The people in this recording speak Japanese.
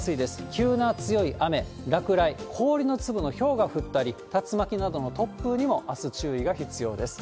急な強い雨、落雷、氷の粒のひょうが降ったり、竜巻などの突風にも、あす注意が必要です。